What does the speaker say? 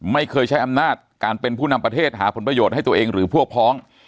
ไม่เคยใช้อำนาจการเป็นผู้นำประเทศหาผลประโยชน์ให้ตัวเองหรือพวกพ้อง